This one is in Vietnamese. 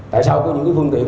tại sao có những phương tiện